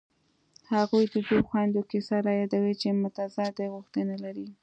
هغه د دوو خویندو کیسه رایادوي چې متضادې غوښتنې لري